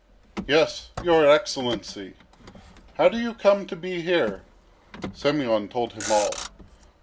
"Yes, your Excellency." "How do you come to be here?" Semyon told him all.